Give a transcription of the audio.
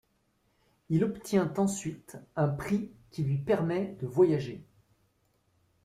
Il obtient ensuite un prix qui lui permet de voyager.